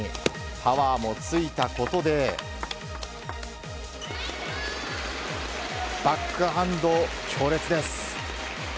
パワーもついたことでバックハンド、強烈です。